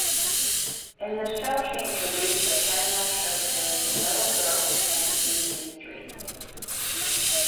In the show she introduced the seminal showtunes "Little Girls" and "Easy Street.